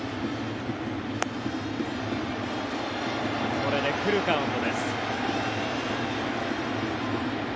これでフルカウントです。